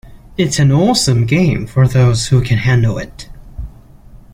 It's an awesome game for those who can handle it.